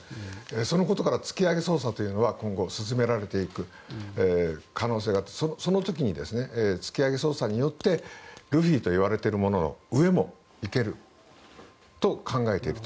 そのことから突き上げ捜査というのは今後進められていく可能性があってその時に突き上げ捜査によってルフィといわれているものの上もいけると考えていると。